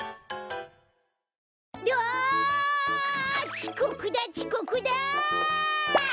ちこくだちこくだ！